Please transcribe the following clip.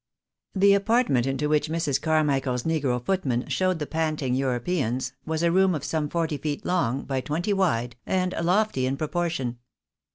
The apartment into which Mrs. Carmichael's negro footman showed the panting Europeans, was a room of some forty feet long, by twenty wide, and lofty in proportion.